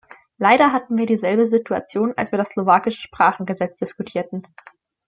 Leider hatten wir dieselbe Situation, als wir das slowakische Sprachengesetz diskutierten.